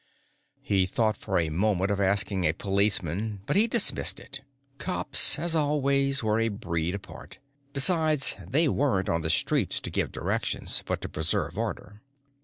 He thought for a moment of asking a policeman, but he dismissed it. Cops, as always, were a breed apart. Besides, they weren't on the streets to give directions, but to preserve order.